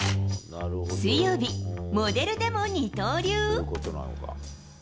水曜日、モデルでも二刀流。